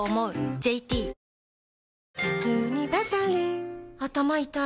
ＪＴ頭痛にバファリン頭痛い